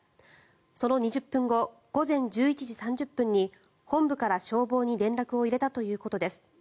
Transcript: その２０分後午前１１時３０分に本部から消防に連絡を入れたということです。